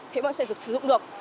thì bọn em sẽ sử dụng được